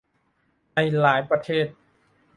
ในหลายประเทศ